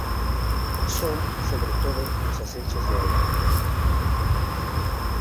Son, sobre todo, los ascensos de aire.